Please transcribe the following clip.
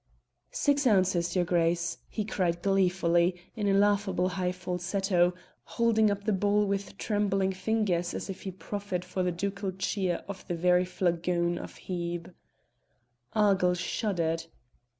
"Six ounces, your Grace!" he cried gleefully, in a laughable high falsetto, holding up the bowl with trembling fingers as if he proffered for the ducal cheer the very flagon of Hebe. Argyll shuddered.